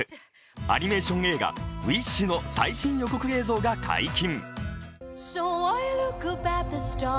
アニメーション映画「ウィッシュ」の最新予告映像が解禁。